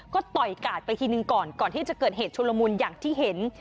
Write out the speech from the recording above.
ก็ต่อยกาดไปทีนึงก่อนก่อนที่จะเกิดเหตุชุลมุนอย่างที่เห็น